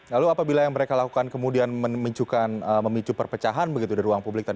lalu apabila yang mereka lakukan kemudian memicu perpecahan begitu dari ruang publik